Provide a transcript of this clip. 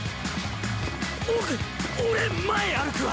お俺前歩くわ！